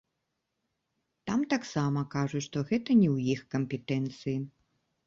Там таксама кажуць, што гэта не ў іх кампетэнцыі.